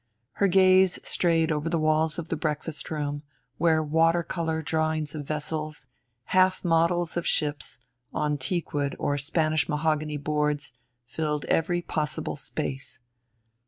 Her gaze strayed over the walls of the breakfast room, where water color drawings of vessels, half models of ships on teakwood or Spanish mahogany boards, filled every possible space.